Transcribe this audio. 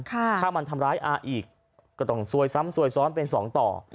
ถ้ามันทำร้ายอากอีกก็ต้องซวยซ้อนเป็น๒ต่อ